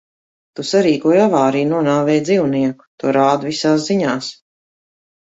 Tu sarīkoji avāriju, nonāvēji dzīvnieku. To rāda visās ziņās.